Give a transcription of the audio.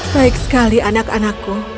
baik sekali anak anakku